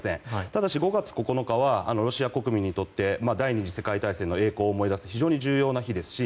ただし５月９日はロシア国民にとって第２次世界大戦の栄光を思い出す非常に重要な日ですし